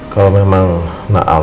kalau memang nak al